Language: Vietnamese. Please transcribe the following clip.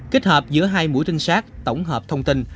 kết hợp giữa hai mũi trinh sát tổng hợp thông tin